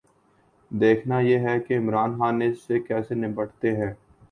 دیکھنا یہ ہے کہ عمران خان اس سے کیسے نمٹتے ہیں۔